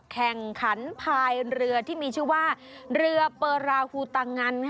แข่งขันภายเรือที่มีชื่อว่าเรือเปอร์ราฮูตังัน